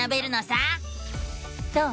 どう？